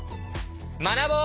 学ぼう！